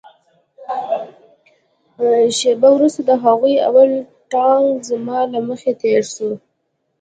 شېبه وروسته د هغوى اول ټانک زما له مخې تېر سو.